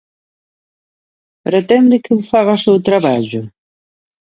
¿Pretende que eu faga o seu traballo?